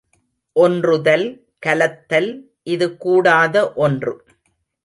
ஒன்றுதல், கலத்தல், இது கூடாத ஒன்று.